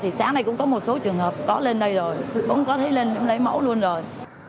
thì sáng nay cũng có một số trường hợp có lên đây rồi cũng có thấy lên cũng lấy mẫu luôn rồi